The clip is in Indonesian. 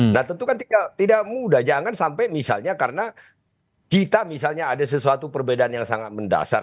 nah tentu kan tidak mudah jangan sampai misalnya karena kita misalnya ada sesuatu perbedaan yang sangat mendasar